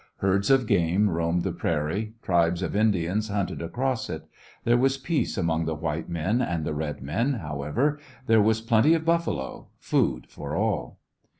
Herds of game roamed the prairie, tribes of Indians hunted across it. There was peace between the white men and the red men, however; there was plenty of buffalo — food for all.